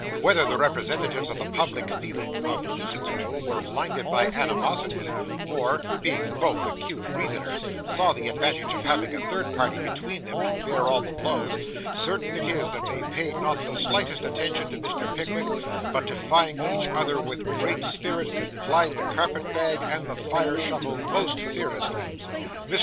Whether the representatives of the public feeling of Eatanswill were blinded by animosity, or (being both acute reasoners) saw the advantage of having a third party between them to bear all the blows, certain it is that they paid not the slightest attention to Mr. Pickwick, but defying each other with great spirit, plied the carpet bag and the fire shovel most fearlessly. Mr.